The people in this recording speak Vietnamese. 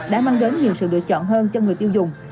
đã mang đến nhiều sự lựa chọn hơn cho người tiêu dùng